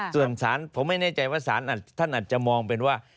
ส่วนสารผมไม่แน่ใจว่าสารท่านอาจจะมองเป็นว่า